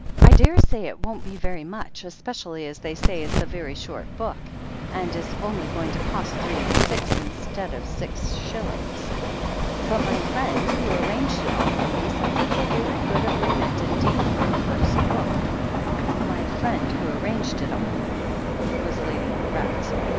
I daresay it won't be very much, especially as they say it's a very short book, and is only going to cost three and six instead of six shillings. But my friend, who arranged it all for me, says it's a very good agreement indeed for a first book." "My friend who arranged it all" was Lady Hono ret.